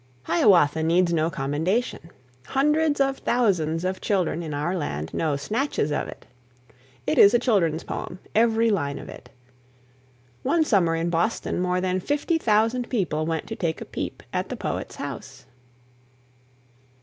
"Hiawatha" needs no commendation. Hundreds of thousands of children in our land know snatches of it It is a child's poem, every line of it. One summer in Boston more than 50,000 people went to take a peep at the poet's house.